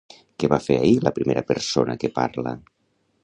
Què va fer ahir la primera persona què parla?